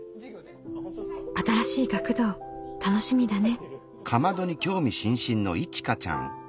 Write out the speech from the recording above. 新しい学童楽しみだね。